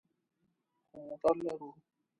خو موټر لرو